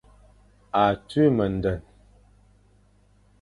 A tui mendene.